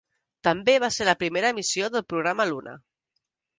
També va ser la primera missió del programa Luna.